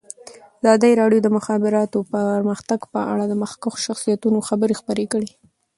ازادي راډیو د د مخابراتو پرمختګ په اړه د مخکښو شخصیتونو خبرې خپرې کړي.